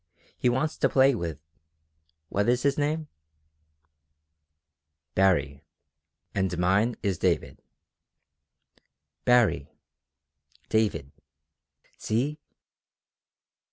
He wants to play with ... what is his name?" "Baree. And mine is David." "Baree David. See!"